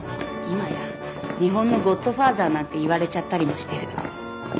今や日本のゴッドファーザーなんて言われちゃったりもしてる。